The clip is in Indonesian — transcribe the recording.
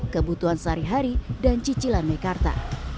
kebutuhan sehari hari dan cicilan mekarta